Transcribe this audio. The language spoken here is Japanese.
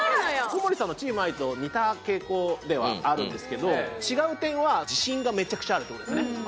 小森さんのチームＩと似た傾向ではあるんですけど違う点は自信がめちゃくちゃあるってことですね